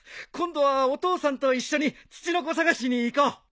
今度はお父さんと一緒にツチノコ探しに行こう！